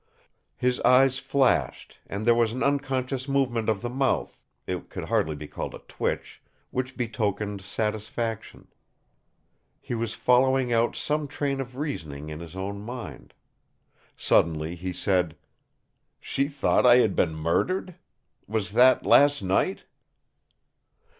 His eyes flashed, and there was an unconscious movement of the mouth—it could hardly be called a twitch—which betokened satisfaction. He was following out some train of reasoning in his own mind. Suddenly he said: "She thought I had been murdered! Was that last night?"